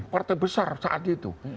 partai besar saat itu